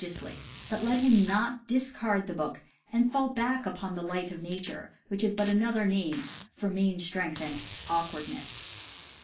114 CAMP COOKERY 115 giously; but let him not discard the book and fall back upon the light of nature, which is but another name for main strength and awkwardness.